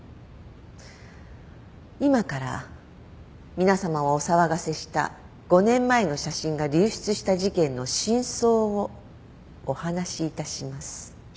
今から皆さまをお騒がせした５年前の写真が流出した事件の真相をお話しいたします。